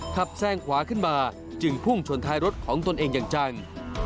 แทร่งขวาขึ้นมาจึงพุ่งชนท้ายรถของตนเองอย่างจัง